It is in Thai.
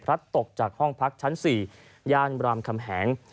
ตกจากห้องพักชั้น๔ย่านรามคำแหง